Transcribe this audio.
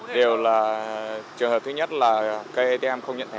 điều là trường hợp thứ nhất là cây atm không nhận thẻ